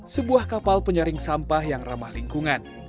sebuah kapal penyaring sampah yang ramah lingkungan